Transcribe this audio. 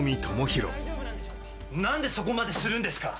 何でそこまでするんですか？